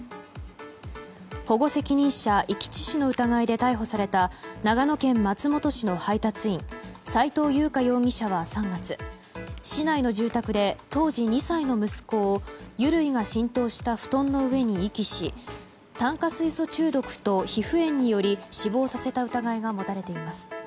保護責任者遺棄致死の疑いで逮捕された長野県松本市の配達員斉藤優花容疑者は３月、市内の住宅で当時２歳の息子を油類が浸透した布団の上に遺棄し炭化水素中毒と皮膚炎により死亡させた疑いが持たれています。